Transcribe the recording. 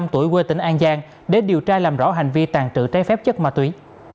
ba mươi năm tuổi quê tỉnh an giang để điều tra làm rõ hành vi tàn trữ trái phép chất ma túy